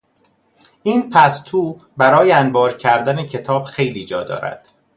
این پستو برای انبار کردن کتاب خیلی جا دارد.